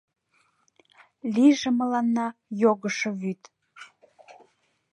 Лийже мыланна йогышо вӱд.